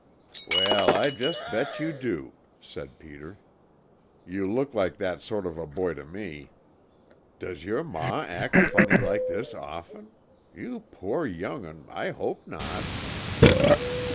"Well, I just bet you do!" said Peter. "You look like that sort of a boy to me. Does your ma act funny like this often? You poor young 'un, I hope not!"